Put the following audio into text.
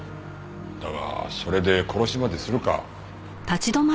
だがそれで殺しまでするか？